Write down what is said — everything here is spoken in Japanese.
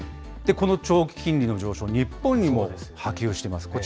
この長期金利の上昇、日本にも波及してます。